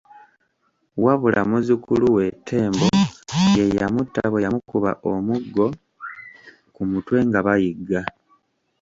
Wabula muzzukulu we, Ttembo ye yamutta bwe yamukuba omuggo ku mutwe nga bayigga.